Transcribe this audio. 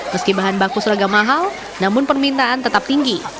meski bahan baku seragam mahal namun permintaan tetap tinggi